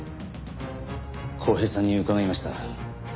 康平さんに伺いました。